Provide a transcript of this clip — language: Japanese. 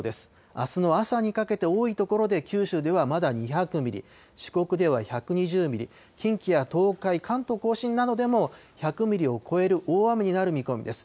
あすの朝にかけて多い所で九州ではまだ２００ミリ、四国では１２０ミリ、近畿や東海、関東甲信などでも１００ミリを超える大雨になる見込みです。